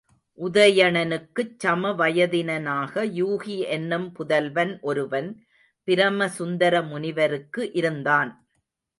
உதயணனுக்குச் சம வயதினனாக, யூகி என்னும் புதல்வன் ஒருவன் பிரமசுந்தர முனிவருக்கு இருந்தான்.